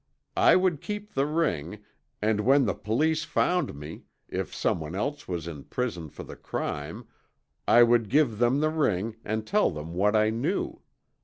I would keep the ring and when the police found me, if someone else was in prison for the crime I would give them the ring and tell them what I knew.